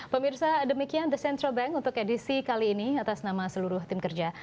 pemirsa demikian the central bank untuk edisi kali ini atas nama seluruh tim kerja